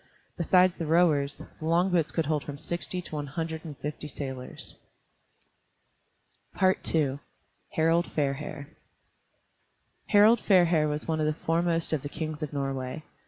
Besides the rowers, the long boats could hold from sixty to one hundred and fifty sailors. II HARALD FAIRHAIR Harald Fairhair was one of the foremost of the kings of Norway.